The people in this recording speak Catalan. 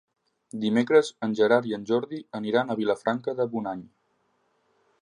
Dimecres en Gerard i en Jordi aniran a Vilafranca de Bonany.